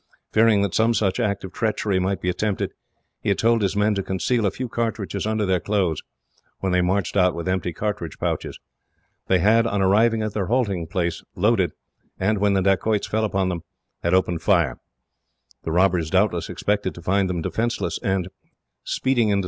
Fearing that some such act of treachery might be attempted, he had told his men to conceal a few cartridges under their clothes, when they marched out with empty cartridge pouches. They had, on arriving at their halting place, loaded; and, when the dacoits fell upon them, had opened fire. The robbers doubtless expected to find them defenceless, and speedily fled.